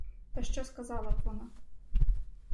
Та що сказала б вона.